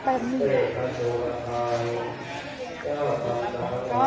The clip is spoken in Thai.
เค้าก็เอามาให้เลยค่ะสามเต้นเลย